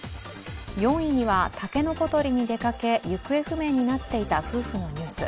４位には、竹の子採りに出かけ行方不明になっていた夫婦のニュース。